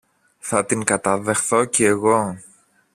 θα την καταδεχθώ κι εγώ.